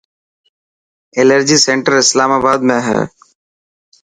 ايلرجي سينٽر اسلامآباد ۾ هي.